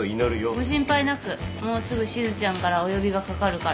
ご心配なくもうすぐしずちゃんからお呼びが掛かるから。